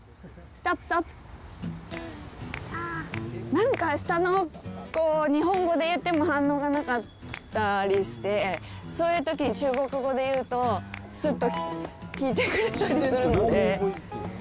なんか下の子、日本語で言っても反応がなかったりして、そういうときに中国語で言うと、すっと聞いてくれたりするので。